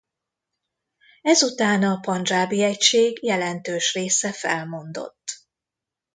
Ezután a pandzsábi egység jelentős része felmondott.